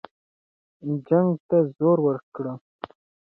جنګ ته زور ورکړه.